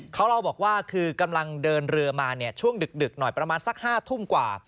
เขาเล่าบอกว่าคือกำลังเดินเรือมาช่วงดึกหน่อยประมาณสัก๕ทุ่มกว่า